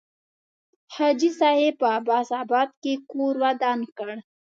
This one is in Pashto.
حاجي صاحب په عباس آباد کې کور ودان کړ.